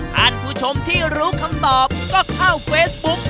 ท่านผู้ชมที่รู้คำตอบก็เข้าเฟซบุ๊ก